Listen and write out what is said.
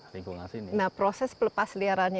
lingkungan sini nah proses pelepasliarannya